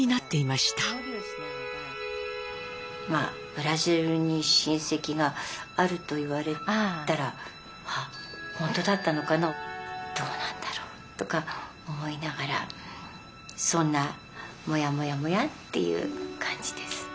ブラジルに親戚があると言われたら本当だったのかなどうなんだろうとか思いながらそんなもやもやもやっていう感じです。